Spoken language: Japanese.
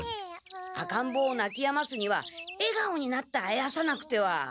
赤んぼうをなきやますにはえがおになってあやさなくては。